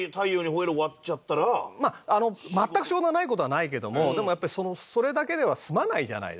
全く仕事がない事はないけどもでもやっぱりそれだけでは済まないじゃないですか